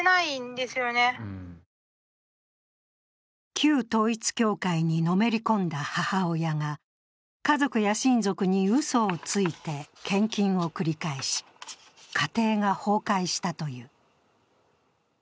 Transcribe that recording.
旧統一教会にのめり込んだ母親が家族や親族にうそをついて献金を繰り返し、家庭が崩壊したという。